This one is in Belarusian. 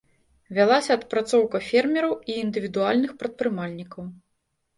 Вялася адпрацоўка фермераў і індывідуальных прадпрымальнікаў.